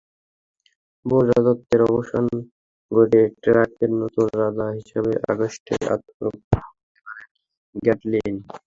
বোল্ট-রাজত্বের অবসান ঘটিয়ে ট্র্যাকের নতুন রাজা হিসেবে আগস্টে আত্মপ্রকাশও করতে পারেন গ্যাটলিন।